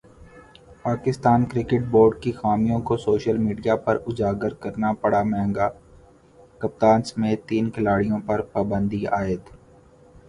Pakistan cricket board کی خامیوں کو سوشل میڈیا پر اجاگر کرنا پڑا مہنگا ، کپتان سمیت تین کھلاڑیوں پر پابندی عائد